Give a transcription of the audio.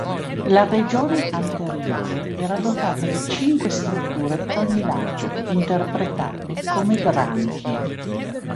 La regione anteriore era dotata di cinque strutture per ogni lato, interpretate come branchie.